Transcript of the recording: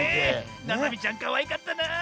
ななみちゃんかわいかったなあ。